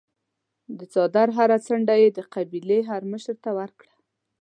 د څادر هره څنډه یې د قبیلې هرمشر ته ورکړه.